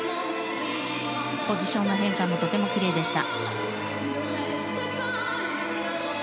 ポジションの変化もとてもキレイでした。